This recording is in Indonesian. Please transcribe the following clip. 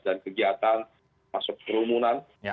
dan kegiatan masuk kerumunan